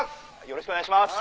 よろしくお願いします